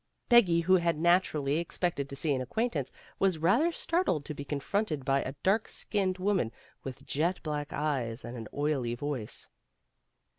Peggy who had naturally expected to see an acquaintance, was rather startled to be confronted by a dark skinned woman with jet black eyes and an oily voice.